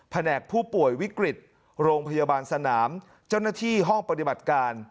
แหนกผู้ป่วยวิกฤตโรงพยาบาลสนามเจ้าหน้าที่ห้องปฏิบัติการ